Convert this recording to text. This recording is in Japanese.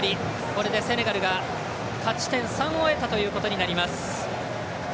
これでセネガルが勝ち点３を得たということになります。